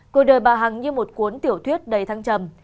cuộc đời bà hằng như một cuốn tiểu thuyết đầy thăng trầm